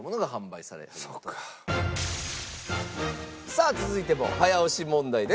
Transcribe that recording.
さあ続いても早押し問題です。